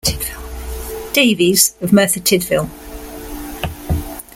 Davies of Merthyr Tydfil.